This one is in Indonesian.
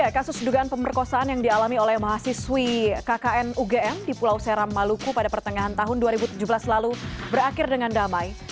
kasus dugaan pemerkosaan yang dialami oleh mahasiswi kkn ugm di pulau seram maluku pada pertengahan tahun dua ribu tujuh belas lalu berakhir dengan damai